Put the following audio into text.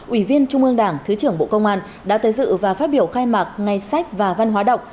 ủy viên trung ương đảng thứ trưởng bộ công an đã tới dự và phát biểu khai mạc ngày sách và văn hóa đọc